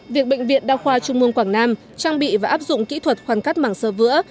việc bệnh viện đa khoa trung mương quảng nam trang bị và áp dụng kỹ thuật khoan cắt mảng sơ vữa